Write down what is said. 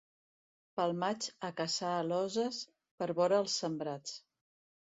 Pel maig a caçar aloses per vora els sembrats.